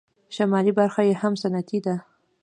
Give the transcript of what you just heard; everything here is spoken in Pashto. شمالي برخه یې هم صنعتي ده.